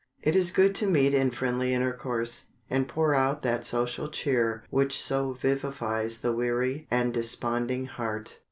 It is good to meet in friendly intercourse, and pour out that social cheer which so vivifies the weary and desponding heart.